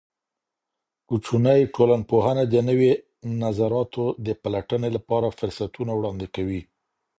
کوچنۍ ټولنپوهنه د نوي نظریاتو د پلټنې لپاره فرصتونه وړاندې کوي.